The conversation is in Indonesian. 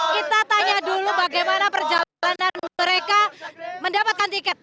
kita tanya dulu bagaimana perjalanan mereka mendapatkan tiket